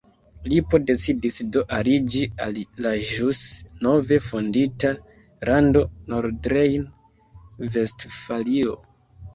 Lipo decidis do aliĝi al la ĵus nove fondita lando Nordrejn-Vestfalio.